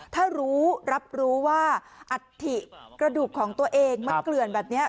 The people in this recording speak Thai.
ถ้ารู้รับรู้ว่าอัฐิกระดูกของตัวเองมันเกลื่อนแบบนี้